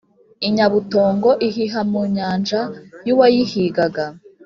inyabutongo ihiha munyaja yuwayihigaga